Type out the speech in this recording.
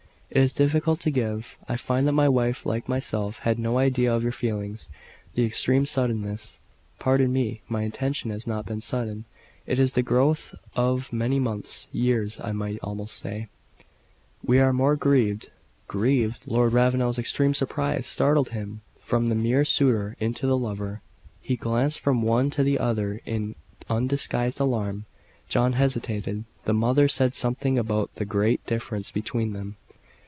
"It is difficult to give. I find that my wife, like myself, had no idea of your feelings. The extreme suddenness " "Pardon me; my intention has not been sudden. It is the growth of many months years, I might almost say." "We are the more grieved." "Grieved?" Lord Ravenel's extreme surprise startled him from the mere suitor into the lover; he glanced from one to the other in undisguised alarm. John hesitated: the mother said something about the "great difference between them."